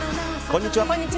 こんにちは。